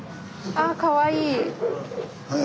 あかわいい。